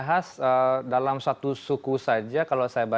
kalau saya baca itu adalah budaya khas untuk morenin sendiri jadi seperti itu pak